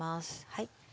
はい。